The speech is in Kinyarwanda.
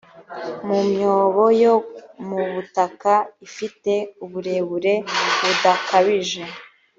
mu myobo yo mu butaka ifite uburebure budakabije